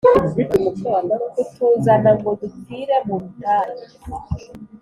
kutuzana ngo dupfire mu butayu?